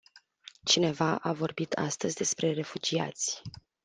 Cineva a vorbit astăzi despre refugiați.